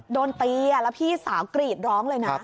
โดนตีแล้วพี่สาวกรีดร้องเลยนะ